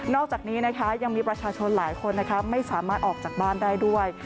อกจากนี้นะคะยังมีประชาชนหลายคนไม่สามารถออกจากบ้านได้ด้วย